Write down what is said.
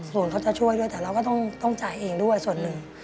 ส่วนเขาจะช่วยด้วยแต่เราก็ต้องจ่ายเองด้วยส่วนหนึ่ง